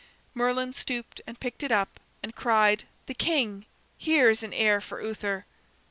Merlin stooped and picked it up, and cried, 'The King! Here is an heir for Uther!'